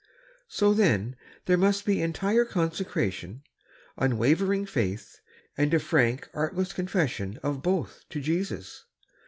So then there must be entire con secration, unwavering faith, and a frank, artless confession of both to Jesus.